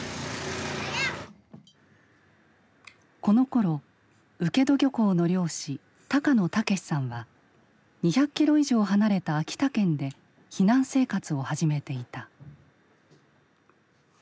このころ請戸漁港の漁師高野武さんは２００キロ以上離れた秋田県で避難生活を始めていた。